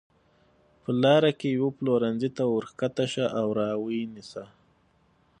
په لاره کې یوې پلورنځۍ ته ورکښته شه او را یې نیسه.